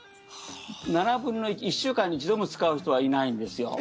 ７分の１、１週間に１度も使う人はいないんですよ。